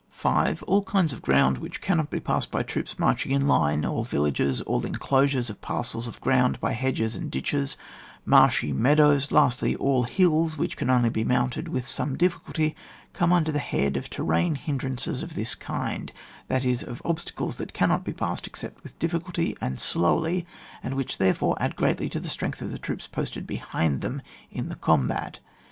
5. All kinds of ground which cannot be passed by troops marching in line, all villages, all enclosures of parcels of ground by hedges and ditches, marshy meadows, lastly — all hills which can only be moimted with some dificulty, come under the head of terrain hin drances of this kind, that is, of obstacles that cannot be passed except with dif ficulty, and slowly; and which, there fore, add greatly to the strength of the troops posted behind them in the com bat.